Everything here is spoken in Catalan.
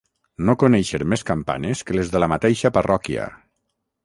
No conèixer més campanes que les de la mateixa parròquia.